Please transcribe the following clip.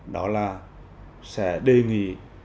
đó là sẽ đề nghị